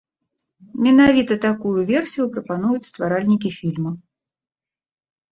Менавіта такую версію прапануюць стваральнікі фільма.